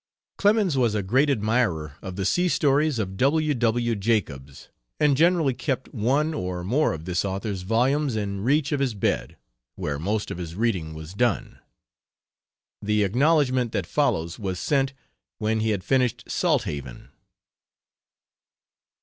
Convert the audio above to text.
Clemens was a great admirer of the sea stories of W. W. Jacobs and generally kept one or more of this author's volumes in reach of his bed, where most of his reading was done. The acknowledgment that follows was sent when he had finished Salthaven.